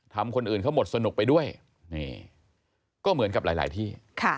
ทำคนอื่นเขาหมดสนุกไปด้วยนี่ก็เหมือนกับหลายที่